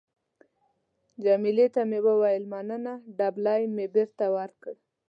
جميله ته مې وویل: مننه. دبلی مې بېرته ورکړ.